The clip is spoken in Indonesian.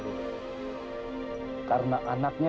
oke ini dia